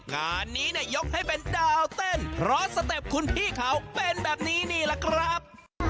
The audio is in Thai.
งานนี้เนี่ยยกให้เป็นดาวเต้นเพราะสเต็ปคุณพี่เขาเป็นแบบนี้นี่แหละครับ